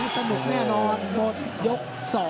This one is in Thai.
สนุกแน่นอนหมดยก๒